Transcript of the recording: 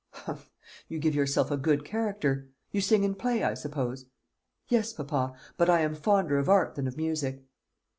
"Humph! You give yourself a good character. You sing and play, I suppose?" "Yes, papa. But I am fonder of art than of music."